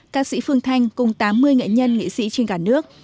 ca sĩ phương thanh cùng tám mươi nghệ nhân nghệ sĩ trên cả nước